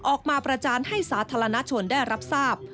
ประจานให้สาธารณชนได้รับทราบ